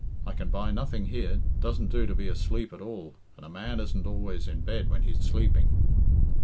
"I can buy nothing here. Doesn't do to be asleep at all, and a man isn't always in bed when he's sleeping."